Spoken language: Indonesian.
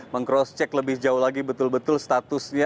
meng cross check lebih jauh lagi betul betul statusnya